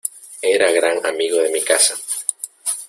era gran amigo de mi casa.